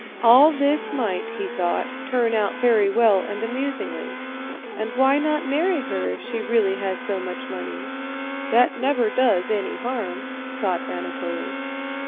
All this might, he thought, turn out very well and amusingly. "And why not marry her if she really has so much money? That never does any harm," thought Anatole.